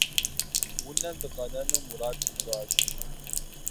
Унэм дыкъэнэну мурад тщӀащ.